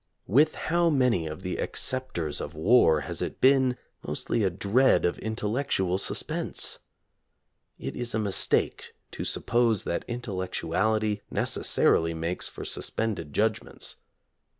With how many of the acceptors of war has it been mostly a dread of intellectual suspense 5 ? It is a mistake to suppose that intellectuality neces sarily makes for suspended judgments.